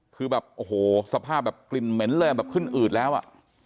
คือแบบโอ้โหสภาพแบบกลิ่นเหม็นเลยแบบขึ้นอืดแล้วอ่ะ